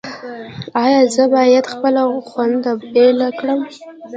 ایا زه باید خپله خونه بیله کړم؟